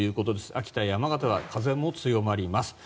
秋田、山形は風も強まります。